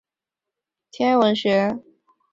主要研究是在高能天文学方面。